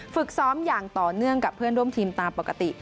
ฝึกซ้อมอย่างต่อเนื่องกับเพื่อนร่วมทีมตามปกติ